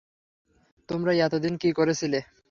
তোমরা এতদিন কী করেছিলে?